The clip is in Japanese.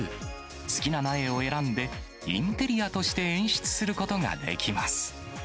好きな苗を選んで、インテリアとして演出することができます。